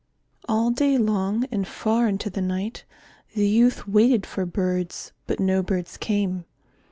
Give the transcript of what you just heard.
All day long and far into the night the youth waited for birds, but no birds came.